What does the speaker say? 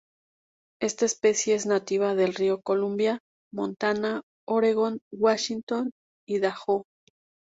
Esta especie es nativa del río Columbia, Montana, Oregón, Washington y Idaho.